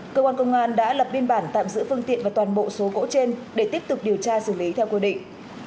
cơ quan công an đã lập biên bản tạm giữ phương tiện và toàn bộ số gỗ trên để tiếp tục điều tra xử lý theo quy định